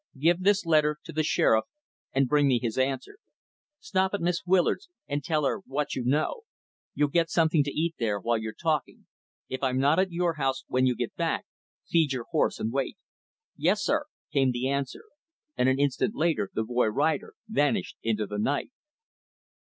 Give this letter to the Sheriff and bring me his answer. Stop at Miss Willard's and tell her what you know. You'll get something to eat there, while you're talking. If I'm not at your house when you get back, feed your horse and wait." "Yes, sir," came the answer, and an instant later the boy rider vanished into the night.